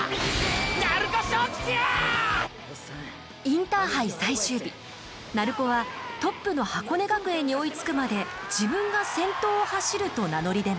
インターハイ最終日鳴子はトップの箱根学園に追いつくまで自分が先頭を走ると名乗り出ます。